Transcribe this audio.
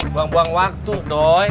buang buang waktu doi